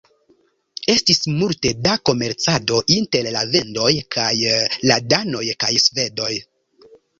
Estis multe da komercado inter la vendoj kaj la danoj kaj svedoj.